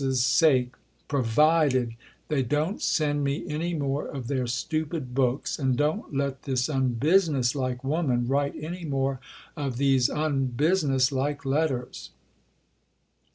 's sake, provided they don't send me any more of their stupid books, and don't let this unbusiness like woman write any more of these unbusiness like letters."